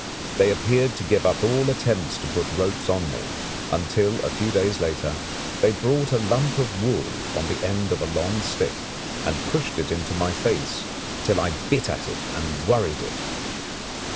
They appeared to give up all attempts to put ropes on me, until a few days later they brought a lump of wool on the end of a long stick, and pushed it into my face till I bit at it and worried it.